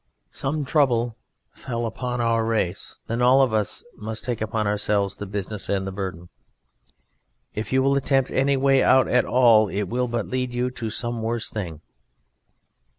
Some trouble fell upon our race, and all of us must take upon ourselves the business and the burden. If you will attempt any way out at all it will but lead you to some worse thing.